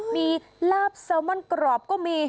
มีลาบเซลมอนกรอบก็มี